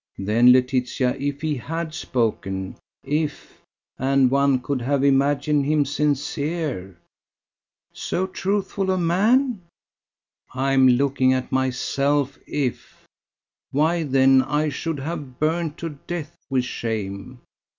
"Then Laetitia, if he had spoken, if, and one could have imagined him sincere ..." "So truthful a man?" "I am looking at myself If! why, then, I should have burnt to death with shame.